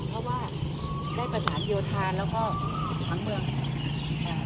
เพราะว่าได้ประสานเยียวธารทั้งเมือง